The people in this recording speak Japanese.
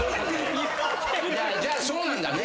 じゃあそうなんだね。